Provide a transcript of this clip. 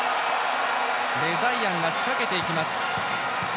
レザイアンが仕掛けていきます。